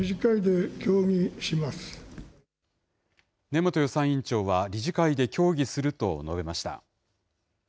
根本予算委員長は理事会で協議すると述べました。